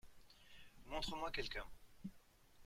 Montre moi quelqu'un.